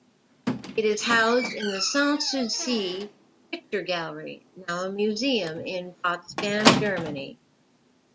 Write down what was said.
It is housed in the Sanssouci Picture Gallery, now a museum, in Potsdam, Germany.